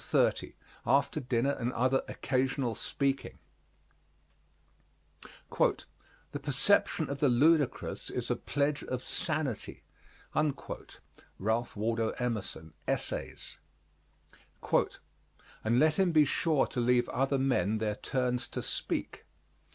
CHAPTER XXX AFTER DINNER AND OTHER OCCASIONAL SPEAKING The perception of the ludicrous is a pledge of sanity. RALPH WALDO EMERSON, Essays. And let him be sure to leave other men their turns to speak.